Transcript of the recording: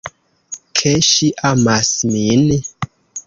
Ke ŝi amas min?